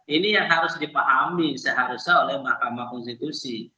ini yang harus dipahami seharusnya oleh mahkamah konstitusi